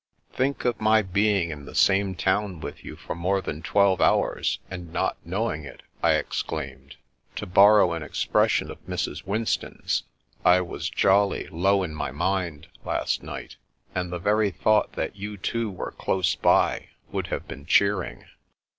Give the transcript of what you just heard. " Think of my being in the same town with you The Strange Mushroom 329 for more than twelve hours, and not knowing it !" I exclaimed. "To borrow an expression of Mrs, Winston's, I was jolly ' low in my mind ' last night, and the very thought that you two were close by would have been cheering."